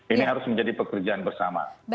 ini harus menjadi pekerjaan bersama